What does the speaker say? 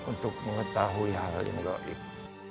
untuk mengetahui hal hal yang goib